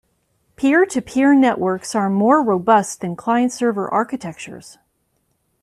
Peer-to-peer networks are more robust than client-server architectures.